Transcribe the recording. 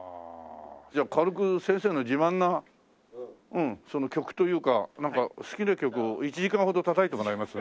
じゃあ軽く先生の自慢の曲というかなんか好きな曲を１時間ほど叩いてもらえます？